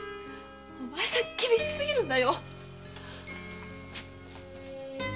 お前さん厳しすぎるんだよ。